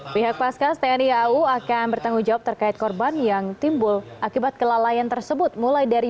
pihak paskas tni au akan bertanggung jawab terkait korban yang terjadi